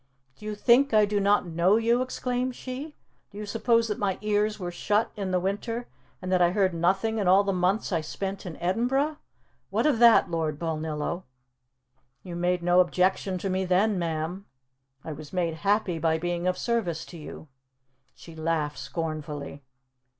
"Do you think I do not know you?" exclaimed she. "Do you suppose that my ears were shut in the winter, and that I heard nothing in all the months I spent in Edinburgh? What of that, Lord Balnillo?" "You made no objection to me then, ma'am. I was made happy by being of service to you." She laughed scornfully.